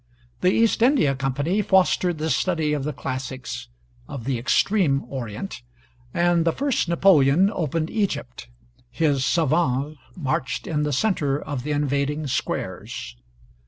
The East India Company fostered the study of the classics of the extreme Orient; and the first Napoleon opened Egypt, his savans marched in the centre of the invading squares.